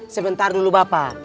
sebentar dulu bapak